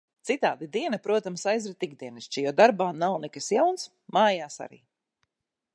Citādi diena, protams, aizrit ikdienišķi, jo darbā nav nekas jauns, mājās arī.